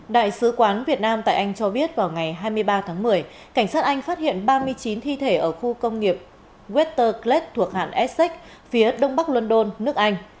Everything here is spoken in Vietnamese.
đại sứ quán việt nam tại anh cho biết vào ngày hai mươi ba tháng một mươi cảnh sát anh phát hiện ba mươi chín thi thể ở khu công nghiệp weter clead thuộc hạn essex phía đông bắc london nước anh